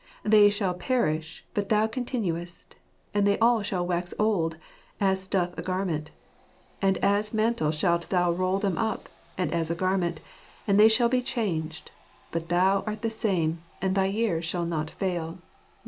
"They shall perish ; but Thou con tinuest : and they all shall wax old as doth a garment ; and as a mantle shalt Thou roll them up — as a garment — and they shall be changed : but Thou art the same, and Thy years shall not fail" (r.v.).